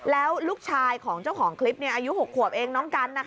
แล้วลูกชายของเจ้าของคลิปเนี้ยอายุหกขวบเองน้องกันนะคะ